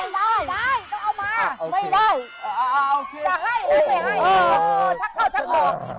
ใช่ไม่ได้ไม่ได้จะให้ไม่ให้อ๋อชักเข้าชักออก